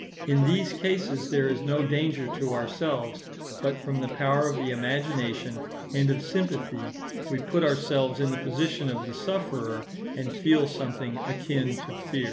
In these cases there is no danger to ourselves; but from the power of the imagination and of sympathy we put ourselves in the position of the sufferer, and feel something akin to fear.